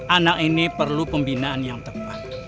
anak ini perlu pembinaan yang tepat